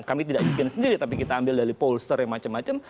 kami tidak bikin sendiri tapi kita ambil dari pollster yang macam macam